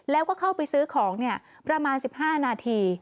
แล้วก็เข้าไปซื้อของประมาณ๑๕นาที